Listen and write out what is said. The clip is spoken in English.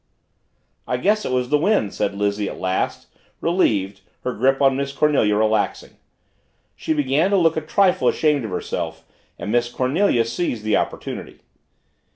"I guess it was the wind," said Lizzie at last, relieved, her grip on Miss Cornelia relaxing. She began to look a trifle ashamed of herself and Miss Cornelia seized the opportunity.